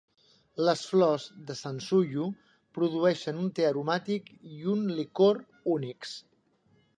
Les flors de Sansuyu produeixen un te aromàtic i un licor únics.